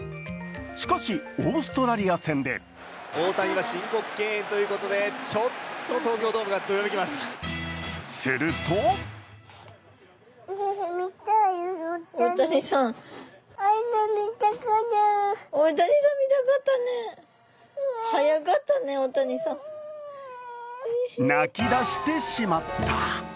しかしオーストラリア戦ですると泣き出してしまった。